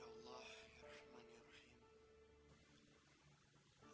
ya allah ya rahman ya rahim